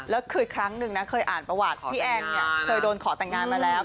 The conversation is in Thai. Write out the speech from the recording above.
แล้วคือครั้งหนึ่งนะเคยอ่านประวัติพี่แอนเนี่ยเคยโดนขอแต่งงานมาแล้ว